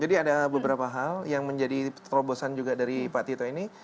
jadi ada beberapa hal yang menjadi terobosan juga dari pak tito ini